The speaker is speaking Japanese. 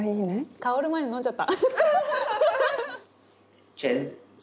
香る前に飲んじゃった。